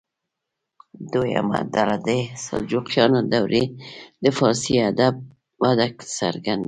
دویمه ډله دې د سلجوقیانو دورې د فارسي ادب وده څرګنده کړي.